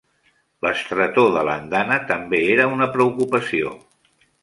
L'estretor de l'andana també era una preocupació.